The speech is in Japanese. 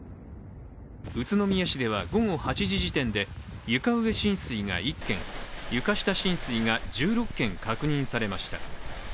宇都宮市では午後８時時点で床上浸水が１軒床下浸水が１６軒、確認されました。